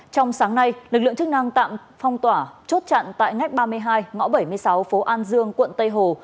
trong sáng nay lực lượng chức năng tạm phong tỏa chốt chặn tại ngách ba mươi hai ngõ bảy mươi sáu phố an dương quận tây hồ